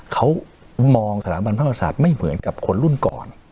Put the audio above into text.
เขามองสถานบันภาษาไม่เหมือนกับคนรุ่นก่อน